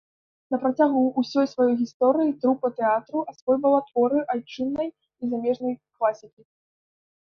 На працягу ўсёй сваёй гісторыі трупа тэатру асвойвала творы айчыннай і замежнай класікі.